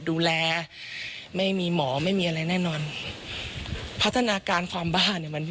คุณผู้ชมฟังเสียงคุณธนทัศน์เล่ากันหน่อยนะคะ